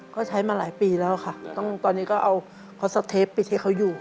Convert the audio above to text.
ก็ใช้มาหลายปีแล้วค่ะตอนนี้ก็เอาพอสัตว์เทปไปเทปเขาอยู่